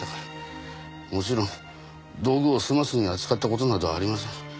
もちろん道具を粗末に扱った事などありません。